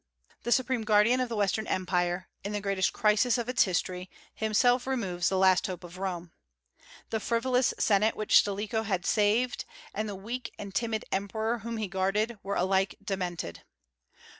The supreme guardian of the western Empire, in the greatest crisis of its history, himself removes the last hope of Rome. The frivolous senate which Stilicho had saved, and the weak and timid emperor whom he guarded, were alike demented.